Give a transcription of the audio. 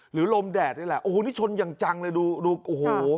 ลมแดดนี่แหละโอ้โหนี่ชนอย่างจังเลยดูดูโอ้โห